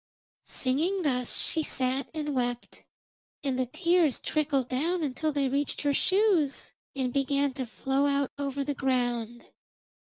Singing thus she sat and wept, and the tears trickled down until they reached her shoes, and began to flow out over the ground.